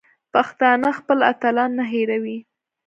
پښتانه خپل اتلان نه هېروي.